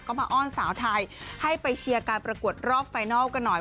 ก็มาอ้อนสาวไทยให้ไปเชียร์การประกวดรอบไฟนัลกันหน่อย